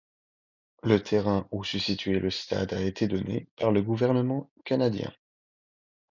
Le terrain où se situait le stade a été donné par le gouvernement canadien.